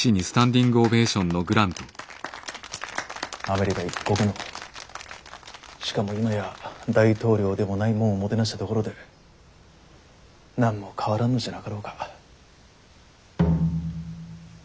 アメリカ一国のしかも今や大統領でもないもんをもてなしたところで何も変わらんのじゃなかろうか。